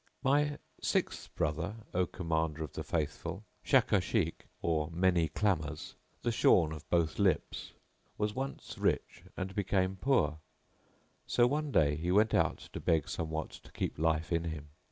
My sixth brother, O Commander of the Faithful, Shakashik,[FN#683] or Many clamours, the shorn of both lips, was once rich and became poor, so one day he went out to beg somewhat to keep life in him.